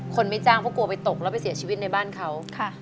ไม่จ้างเพราะกลัวไปตกแล้วไปเสียชีวิตในบ้านเขา